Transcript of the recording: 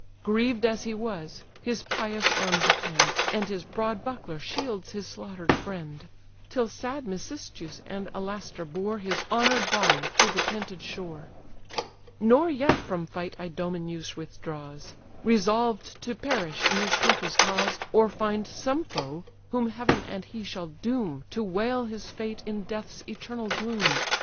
Grieved as he was, his pious arms attend, And his broad buckler shields his slaughter'd friend: Till sad Mecistheus and Alastor bore His honour'd body to the tented shore. Nor yet from fight Idomeneus withdraws; Resolved to perish in his country's cause, Or find some foe, whom heaven and he shall doom To wail his fate in death's eternal gloom.